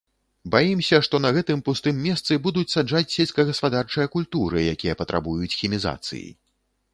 Баімся, што на гэтым пустым месцы будуць саджаць сельскагаспадарчыя культуры, якія патрабуюць хімізацыі.